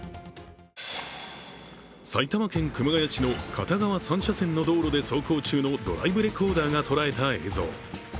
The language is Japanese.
埼玉県熊谷市の片側３車線の道路で走行中のドライブレコーダーが捉えた映像。